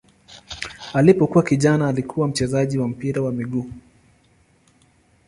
Alipokuwa kijana alikuwa mchezaji wa mpira wa miguu.